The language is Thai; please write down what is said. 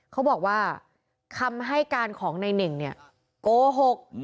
เขาบอกว่าคำให้การของในเน่งเนี่ยโกหก